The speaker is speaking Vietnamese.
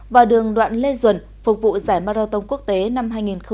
và đoạn lê duẩn phục vụ giải marathon quốc tế năm hai nghìn một mươi chín